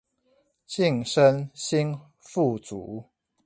晉身新富族